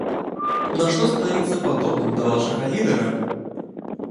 Нашто станавіцца падобным да вашага лідара?!